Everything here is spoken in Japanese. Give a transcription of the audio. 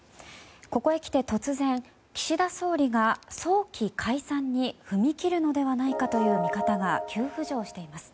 ここへきて突然岸田総理が早期解散に踏み切るのではないかという見方が急浮上しています。